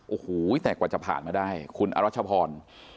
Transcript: โอ้โหแต่กว่าจะผ่านมาได้คุณอรัชพร